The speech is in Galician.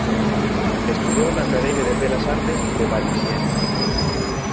Estudou na Academia de Belas Artes de Valenciennes.